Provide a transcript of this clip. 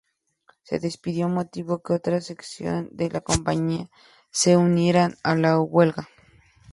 Su despido motivó que otras secciones de la compañía se unieran a la huelga.